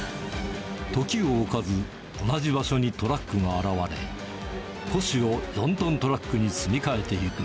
時を置かず、同じ場所にトラックが現れ、古紙を４トントラックに積み替えていく。